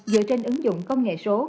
dựa trên ứng dụng công nghệ số